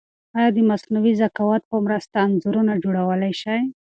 ایا د مصنوعي ذکاوت په مرسته انځورونه جوړولای شئ؟